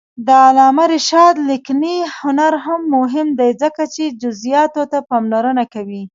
د علامه رشاد لیکنی هنر مهم دی ځکه چې جزئیاتو ته پاملرنه کوي.